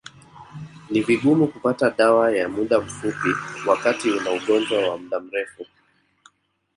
Ni vigumu kupata dawa ya muda mfupi wakati una ugonjwa wa muda mrefu